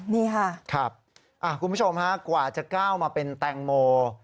นี่ค่ะครับคุณผู้ชมฮะกว่าจะก้าวมาเป็นแตงโม